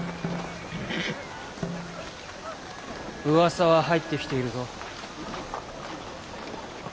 うわさは入ってきているぞ。